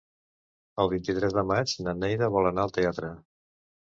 El vint-i-tres de maig na Neida vol anar al teatre.